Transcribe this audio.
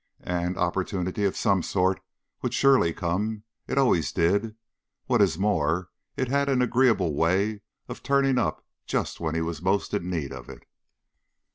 And opportunity of some sort would surely come. It always did. What is more, it had an agreeable way of turning up just when he was most in need of it.